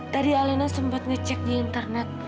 tadi alena sempat ngecek di internet